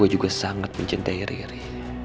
gue juga sangat mencintai riri